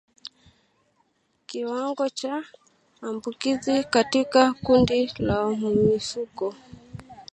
Kiwango cha maambukizi katika kundi la mifugo